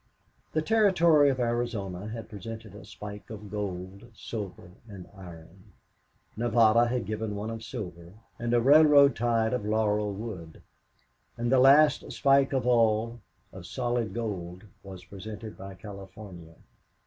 The Territory of Arizona had presented a spike of gold, silver, and iron; Nevada had given one of silver, and a railroad tie of laurel wood; and the last spike of all of solid gold was presented by California.